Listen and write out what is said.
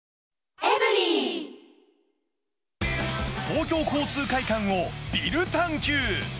東京交通会館をビル探Ｑ。